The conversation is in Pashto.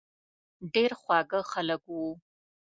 ډېر خواږه خلک وو.